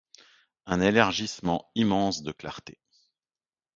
Un élargissement immense de clarté ;